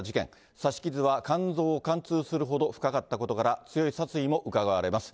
刺し傷は肝臓を貫通するほど、深かったことから強い殺意もうかがわれます。